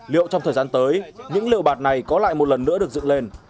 liệu trong thời gian tới những liều bạt này có lại một lần nữa được dựng lên